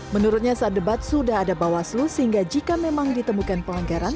menurutnya saat debat sudah ada bawaslu sehingga jika memang ditemukan pelanggaran